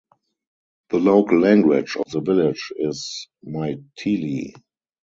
The local language of the village is Maithili.